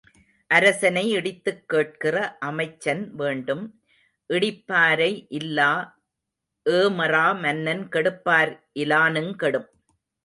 அரசனை இடித்துக் கேட்கிற அமைச்சன் வேண்டும். இடிப்பாரை இல்லா ஏமறா மன்னன் கெடுப்பார் இலானுங் கெடும்.